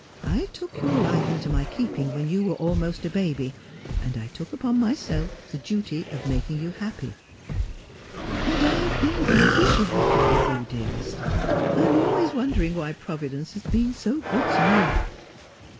I took your life into my keeping when you were almost a baby, and I took upon myself the duty of making you happy.' ' And I have been completely happy with you, dearest. I am always wondering why Providence has been so good to me.'